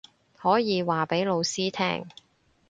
可以話畀老師聽